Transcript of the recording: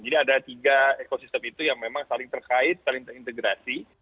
ada tiga ekosistem itu yang memang saling terkait saling terintegrasi